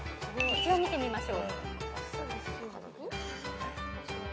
一応見てみましょう。